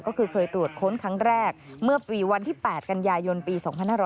ก็คือเคยตรวจค้นครั้งแรกเมื่อปีวันที่๘กันยายนปี๒๕๕๙